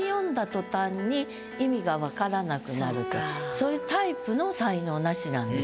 そういうタイプの才能ナシなんです。